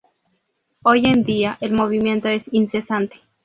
Hoy en día el movimiento es incesante.